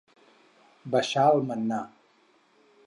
Baixar el mannà.